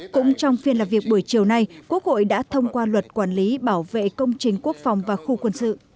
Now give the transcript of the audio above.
cũng trong phiên làm việc buổi chiều nay quốc hội đã thông qua luật quản lý bảo vệ công trình quốc phòng và khu quân sự